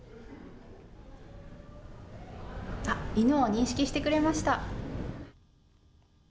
犬を認識してくれました。